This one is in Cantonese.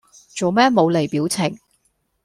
做咩冇厘表情